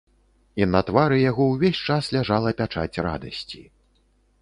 І на твары яго ўвесь час ляжала пячаць радасці.